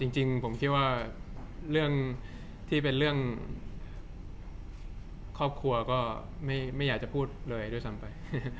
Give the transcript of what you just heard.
จริงผมคิดว่าเรื่องที่เป็นเรื่องครอบครัวก็ไม่อยากจะพูดเลยด้วยซ้ำไป